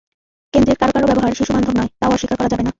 কেন্দ্রের কারও কারও ব্যবহার শিশুবান্ধব নয়, তা-ও অস্বীকার করা যাবে না।